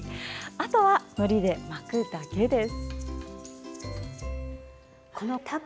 あとは、のりで巻くだけです。